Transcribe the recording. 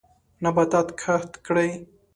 نباتات کښت کړئ.